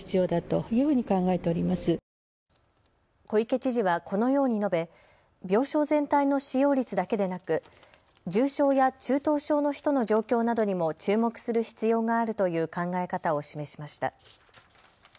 小池知事はこのように述べ病床全体の使用率だけでなく重症や中等症の人の状況などにも注目する必要があるという考え方を示しました。